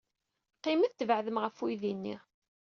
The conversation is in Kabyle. Qqimet tbeɛdem ɣef uydi-nni.